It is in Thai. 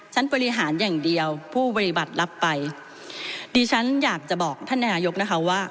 บริหารอย่างเดียวผู้บริบัติรับไปดิฉันอยากจะบอกท่านนายกนะคะว่า